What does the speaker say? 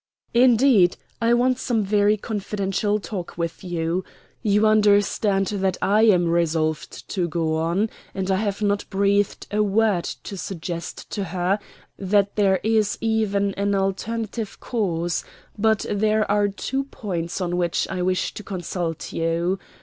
"Indeed, I want some very confidential talk with you. You understand that I am resolved to go on, and I have not breathed a word to suggest to her that there is even an alternative course; but there are two points on which I wish to consult you.